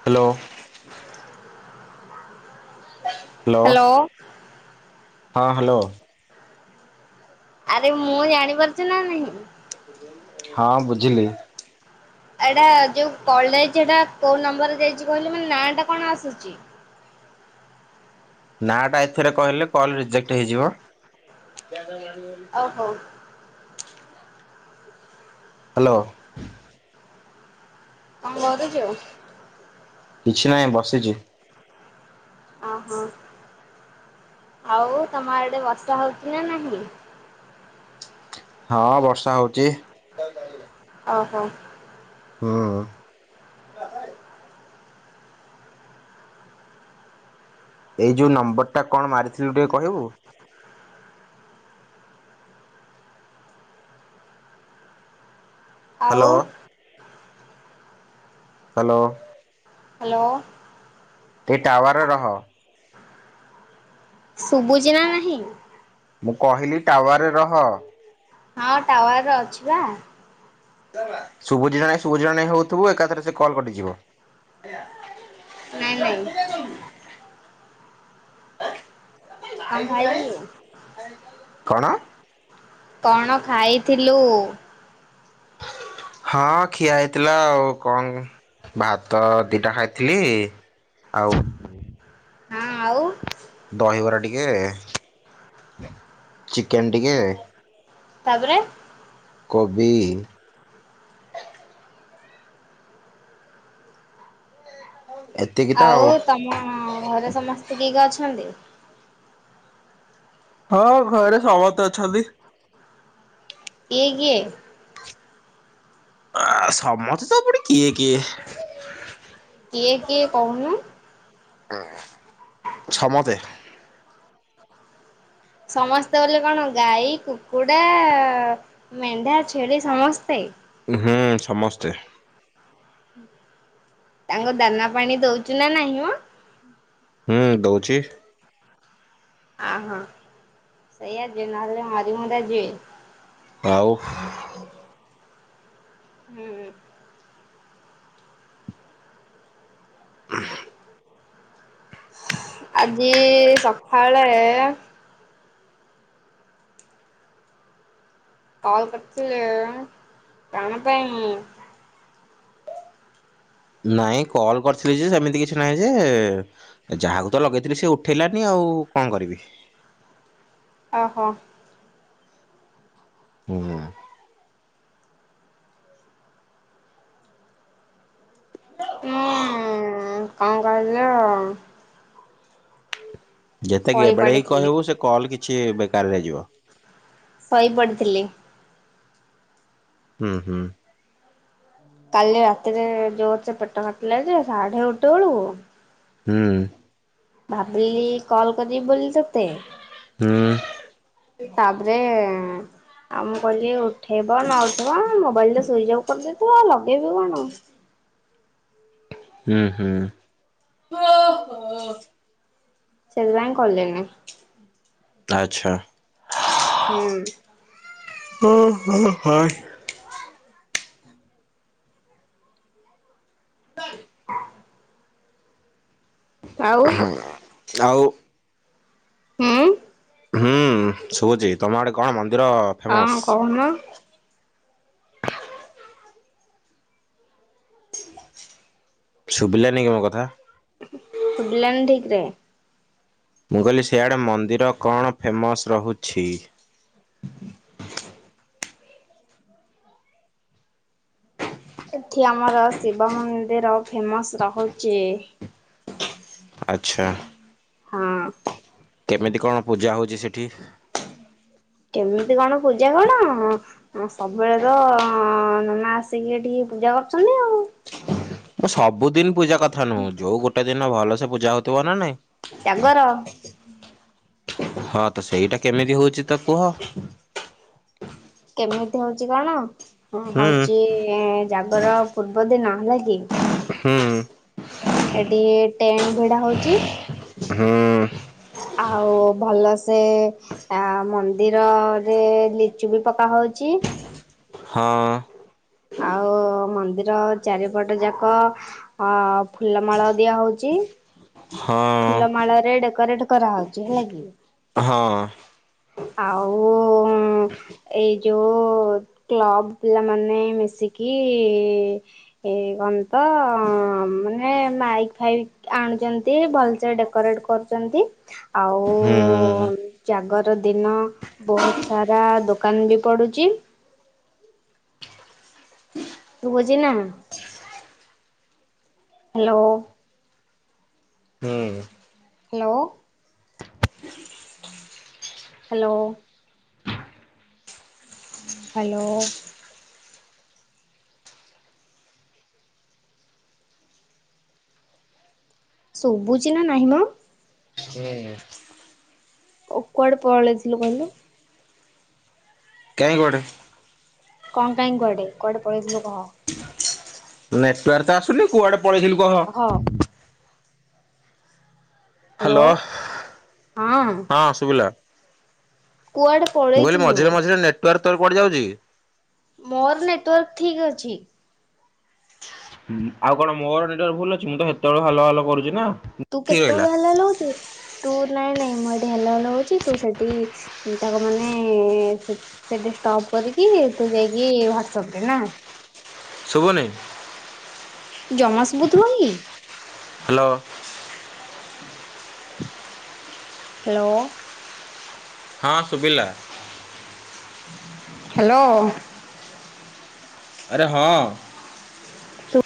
Hello. Hello. ହଁ hello. ଆରେ ମୁଁ ଜାଣି ପାରୁଛୁ ନା ନାହିଁ? ହଁ ବୁଝିଲି। ଏଇଟା ଯୋଉ କଲ ଯାଇଛି ଏଟା କୋଉ ନମ୍ବରରେ ଯାଇଛି କହିଲୁ ମାନେ ନାଁ ଟା କଣ ଆସୁଛି? ନାଁ ଟା ଏଥିରେ କହିଲେ କଲ ରିଜେକ୍ଟ ହେଇଯିବ। [inaudible] ଓ ହଉ ହ୍ୟାଲୋ। କଣ କରୁଛୁ? କିଛି ନାହିଁ ବସିଛି। ଅହୋ। ଆଉ ତମ ଆଡ଼େ ବର୍ଷା ହଉଛି ନା ନାହିଁ? ହଁ ବର୍ଷା ହଉଚି। ଓହୋ। ହୁଁ। ଏଇ ଯୋଉ ନମ୍ବରଟା କଣ ମାରିଥିଲୁ ଟିକେ କହିବୁ। ଆଉ। Hello hello. ହ୍ୟାଲୋ। ଏ ଟାୱାର ରହ। ଶୁଭୁଛି ନା ନାହିଁ? ମୁଁ କହିଲି ଟାୱାରେ ରହ। ହଁ ଟାୱାରରେ ଅଛି ବା। ଶୁଭୁଚି ନା ନାଇଁ ଶୁଭୁଚି ନା ନାଇଁ ହଉଥିବୁ ଏକାଥରେ ସେ କଲ କଟିଯିବ। ନାଇଁ ନାଇଁ [unintelligible] କଣ ଖାଇଥିଲୁ? କଣ? କଣ ଖାଇଥିଲୁ? ହଁ ଖିଆ ହେଇଥିଲା ଆଉ କଣ ଭାତ ଦିଟା ଖାଇଥିଲି। ଆଉ। ହଁ ଆଉ। ଦହିବରା ଟିକେ, ଚିକେନ ଟିକେ। ତାପରେ କୋବି। ଏତିକି ତ ଆଉ ତମ ଘରେ ସମସ୍ତେ କିଏ କିଏ ଅଛନ୍ତି? ହଁ ଘରେ ସମତେ ଅଛନ୍ତି। ଇଏ କିଏ? ଆ ସମସ୍ତେ ପୁଣି କିଏ କିଏ। କିଏ କିଏ କହୁନୁ? ସମତେ। ସମସ୍ତେ ବୋଲି କଣ ଗାଈ କୁକୁଡ଼ା ମେଣ୍ଢା ଛେଳି ସମସ୍ତେ। ହୁଁ ସମସ୍ତେ। ତାଙ୍କୁ ଦାନା ପାଣି ଦଉଛୁ ନା ନାହିଁ ମ ହୁଁ ଦଉଛି। ଆ ହୋ ସେଇଆ ଯେ ନହେଲେ ମରି ମୁରା ଯିବେ। ଆଉ। ହୁଁ। ଆଜି ସଖାଳେ। କଲ କରିଥିଲେ କଣ ପାଇଁ? ନାଇଁ କଲ୍ କରିଥିଲି ଯେ ସେମିତି କିଛି ନାହିଁ ଯେ ଯାହାକୁ ତ ଲଗେଇଥିଲି ସେ ଉଠେଇଲାନି ଆଉ। ହୋଉ କଣ କରିବି। ଆଁ ହଁ। ହୁଁ। ହୁଁ କଣ କହିଲେ? ଯେତେ ଗେବେଲେଇ ପଡିଥିଲି କହିବୁ ସେ କଲ୍ କିଛି ବେକାରରେ ଯିବ। ଶୋଇ ପଡ଼ିଥିଲି। ହୁଁ ହୁଁ। କାଲି ରାତିରେ ଜୋରସେ ପେଟ କାଟିଲା ଯେ ସାଢେ ଗୋଟେ ବେଳକୁ ହୁଁ। ଭାବିଲି କଲ କରିିବ ବୋଲି ତତେ ତାପରେ ଆଉ ମୁଁ କହିଲି ଉଠେଇବ ନ ଉଠେଇବ ମୋବାଇଲ ତ ସୁଇଚ୍ ଅଫ୍ କରିଦେଇଥିବ ଆଉ ଲଗେଇବି କଣ। ହୁଁ ହୁଁ। ସେଇଥି ପାଇଁ କଲିନି। ଆଛା। ହୁଁ। ଓହଃ [inaudible] [unintelligible] ଆଉ ଆଉ ହୁଁ ହୁଁ ଶୁଭୁଛି ତମ ଆଡେ କଣ ମନ୍ଦିର ହଁ ଫେମସ? କହୁନ [unintelligible] ଶୁଭିଲାନି କି ମୋ କଥା? ଶୁଭିଲାନି ଠିକରେ। ମୁଁ କହିଲି ସିଆଡେ ମନ୍ଦିର କଣ ଫେମସ୍ ରହୁଛି। [inaudible] ଏଠି ଆମର ଶିବ ମନ୍ଦିର ଫେମସ ରହୁଛି। ଆଛା। ହୁଁ। କେମିତି କଣ ପୂଜା ହଉଛି ସେଠି। କେମିତି କଣ ପୂଜା କଣ ସବୁବେଳେ ତ ନନା ଆସିକି ଏଠି ପୂଜା କରୁଚନି ଆଉ। ସବୁଦିନ ପୂଜା କଥା ନୁହଁ ଯୋଉଁ ଗୋଟେ ଦିନ ଭଲ ସେ ପୂଜା ହଉଥିବ ନା ନାଇଁ। ଜାଗର। ହଁ ତ ସେଇଟା କେମିତି ହଉଛି ତ କୁହ? କେମିତି ହଉଚି କଣ ହୁଁ ହଉଚି ଜାଗର ପୂର୍ବଦିନ ହେଲା କି ହୁଁ। ଏଠି ଟେଣ୍ଟ ଭିଡା ହେଉଚି। ହୁଁ। [inaudible] ଆଉ ଭଲସେ ଆ ମନ୍ଦିରରେ ଲିଚୁ ବି ପକା ହଉଚି। ହଁ। ଆଉ ମନ୍ଦିର ଚାରିପଟ ଯାକ ଅ ଫୁଲମାଳ ଦିଆ ହଉଚି। ଚି ହଁ। ଡେକୋରେଟ କରାହଉଚି ହେଲା କି। ହଁ। ଆଉ ଏଇ ଯୋଉ କ୍ଲବ ପିଲା ମାନେ ମିଶିକି। କି ଏ କଣ ତ ମୁରେ ମାଇକ ଫାଇକ ଆ ଆଣୁଚନ୍ତି ଭଲସେ ଡେକୋରେଟ କରୁଛନ୍ତି ଆଉ ହୁଁ। ଜାଗ ର ଦିନ ବହୁତ ସାରା ଦୋକାନ ବି ପଡୁଛି। ଶୁଭୁଚି ନା ହାଲୋ। ହୁଁ ହେଲୋ। ହାଲୋ। ହା ଲୋ। ଶୁବୁଛି ନା ନାହିଁ ମ। ହୁଁ ଓ କୁଆଡେ ପଳେଇଥିଲୁ କହିଲୁ। କାହିଁ କୁଆଡେ। କଣ କାଇଁ କୁଆଡେ କୁଆଡେ ପଳେଇଥିଲୁ କହ। ନେଟୱାର୍କ ତ ଆସୁନି କୁଆଡେ ପଳେଇଥିଲୁ କହ। ହାଲୋ ହ୍ୟାଲୋ ହଁ ସୁବିଲା। କୁଆଡେ ମୁଁ କହିଲି ପଳେଇଥିଲୁ? ମଝିରେ ମଝିରେ ନେଟୱାର୍କ ତୋର କୁଆଡେ ଯାଉଛି କି। ମୋର ନେଟୱାର୍କ ଠିକ ଅଛି। ହୁଁ ଆଉ କଣ ମୋର ନେଟୱାର୍କ ଭୁଲ ଅଛି ମୁଁ ତ ସେତେବେଳୁ ହାଲୋ ହାଲୋ କରୁଛି ନା। ତୁ ଠିକ୍ ରହିଲା କେତେବେଳୁ ହାଲୋ ହାଲୋ ହଉଛୁ ତୁ। ନାଇଁ ନାଇଁ ମୁଁ ଏଠି ହାଲୋ ହାଲୋ ହଉଛି ତୁ ସେଠି ତାକୁ ମାନେ ସେ ସେଠି ଷ୍ଟପ। କରିକି ତୁ ଯାଇକି ହ୍ୱାଟସପ ରେ ନା। ଶୁଭୁନି। ଜମା ଶୁବୁ ଥିବ କି। ହା ଲୋ। ହା ଲୋ। ହଁ ସୁଭିଲା। ହେ ଲୋ। ଆରେ ହଁ। ଶୁ।